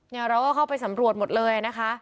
เราก็เข้าไปสำรวจหมดเลยนะคะ